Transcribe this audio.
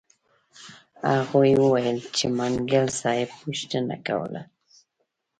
هغوی وویل چې منګل صاحب پوښتنه کوله.